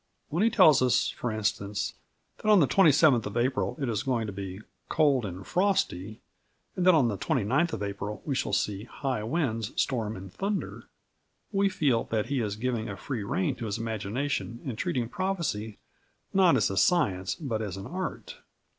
When he tells us, for instance, that on the 27th of April it is going to be "cold and frosty" and that on the 29th of April we shall see "high winds, storms and thunder," we feel that he is giving a free rein to his imagination and treating prophecy not as a science but as an art.